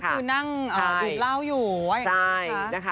ก็คือนั่งดูดเล่าอยู่ไว้อย่างนี้ค่ะ